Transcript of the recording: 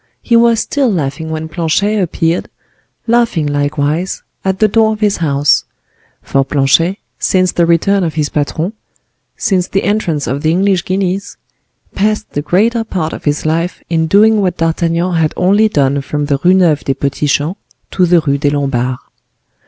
He was still laughing when Planchet appeared, laughing likewise, at the door of his house; for Planchet, since the return of his patron, since the entrance of the English guineas, passed the greater part of his life in doing what D'Artagnan had only done from the Rue Neuve des Petits Champs to the Rue des Lombards.